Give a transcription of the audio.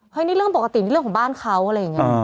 นี่เรื่องปกตินี่เรื่องของบ้านเขาอะไรอย่างนี้